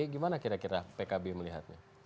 gimana kira kira pkb melihatnya